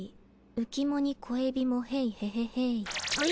浮きもに小エビもヘイヘヘヘーイちょい！